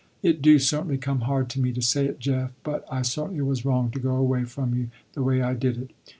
It do certainly come hard to me to say it Jeff, but I certainly was wrong to go away from you the way I did it.